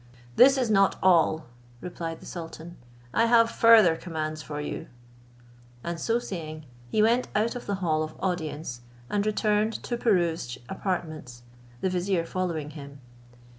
"This is not all," replied the sultan, "I have further commands for you;" and so saying he went out of the hall of audience, and returned to Pirouzč's apartment, the vizier following him.